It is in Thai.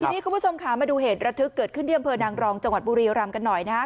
ทีนี้คุณผู้ชมค่ะมาดูเหตุระทึกเกิดขึ้นที่อำเภอนางรองจังหวัดบุรีรำกันหน่อยนะครับ